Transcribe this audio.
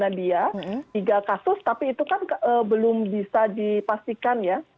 nah dia tiga kasus tapi itu kan belum bisa dipastikan ya